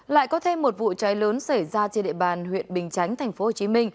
lại có thêm một vụ cháy lớn xảy ra trên địa bàn huyện bình chánh tp hcm